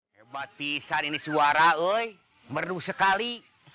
hebat pisan ini suara woy merdu sekali